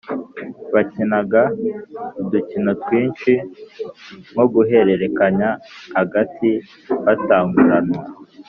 Bakinaga udukino twinshi nko Guhererekanya agati batanguranwa,